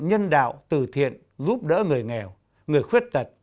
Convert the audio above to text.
nhân đạo từ thiện giúp đỡ người nghèo người khuyết tật